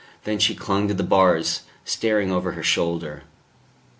Then she clung to the bars, staring over her shoulder.